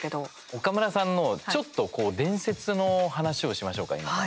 岡村さんのちょっと伝説の話をしましょうか今から。